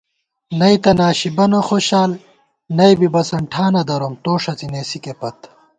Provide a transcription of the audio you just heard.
نئ تہ ناشی بَنہ خوشال نئ بی بسَن ٹھانہ دروم توݭڅی نېسِکےپت